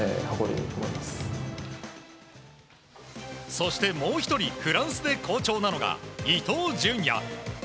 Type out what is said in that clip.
そして、もう１人フランスで好調なのが伊東純也。